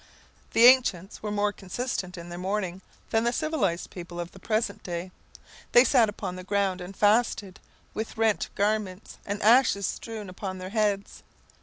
The ancients were more consistent in their mourning than the civilized people of the present day. They sat upon the ground and fasted, with rent garments, and ashes strewn upon their heads.